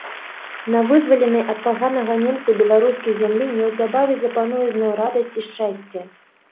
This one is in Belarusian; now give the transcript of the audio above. На вызваленай ад паганага немца беларускай зямлі неўзабаве запануе зноў радасць і шчасце.